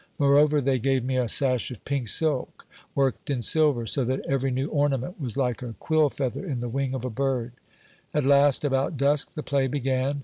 Moreover, they gave me a sash of pink silk worked in silver ; so that every new ornament was like a quill feather in the wing of a bird. At last, about dusk, the play began.